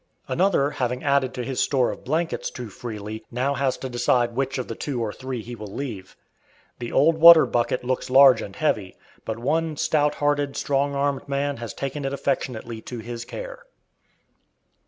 Another having added to his store of blankets too freely, now has to decide which of the two or three he will leave. The old water bucket looks large and heavy, but one stout hearted, strong armed man has taken it affectionately to his care.